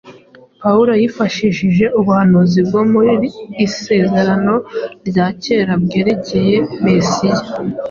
Pawulo yifashishije ubuhanuzi bwo mu Isezerano rya Kera bwerekeye Mesiya.